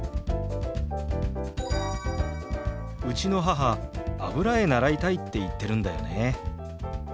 うちの母油絵習いたいって言ってるんだよね。